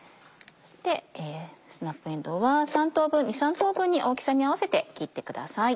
スナップえんどうは２３等分に大きさに合わせて切ってください。